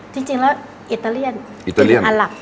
จริงแล้วอิตาเลียนกึ่งอาหลับ